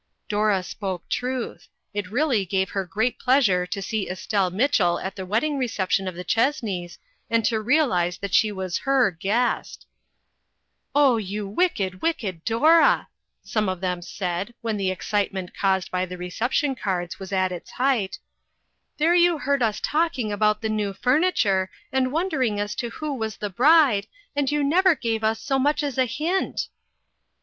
Dora spoke truth. It really gave her great pleasure to see Estelle Mitchell at the wedding reception of the Chessneys, and to realize that she was her guest !" Oh, you wicked, wicked Dora !" some of them said, when the excitement caused by the reception cards was at his height, " there you heard us talking about the new furniture, and wondering as to who was the bride, and you never gave us so much as a hint